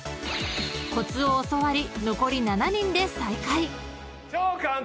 ［コツを教わり残り７人で再開］